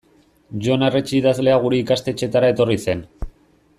Jon Arretxe idazlea gure ikastetxera etorri zen.